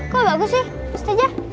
kok bagus sih ustadzah